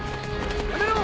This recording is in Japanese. やめろ！